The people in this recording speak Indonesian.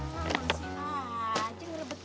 sama sama sih ma